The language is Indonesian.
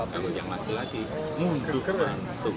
kalau yang laki laki mundur mantu